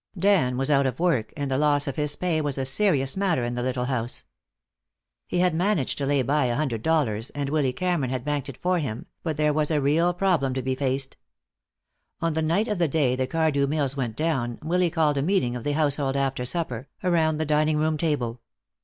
Dan was out of work, and the loss of his pay was a serious matter in the little house. He had managed to lay by a hundred dollars, and Willy Cameron had banked it for him, but there was a real problem to be faced. On the night of the day the Cardew Mills went down Willy called a meeting of the household after supper, around the dining room table.